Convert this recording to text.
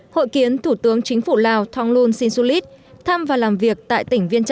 hội kiến thủ tướng chính phủ lào thonglun sinsulit thăm và làm việc tại tỉnh viên tră